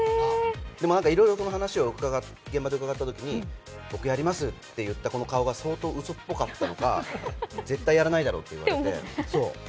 でもいろいろとその話を現場で伺ったときに僕やりますと言った顔が相当うそっぽかったのか、絶対やらないだろと言われて。